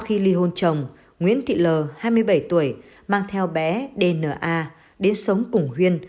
khi hôn chồng nguyễn thị l hai mươi bảy tuổi mang theo bé dna đến sống cùng huyền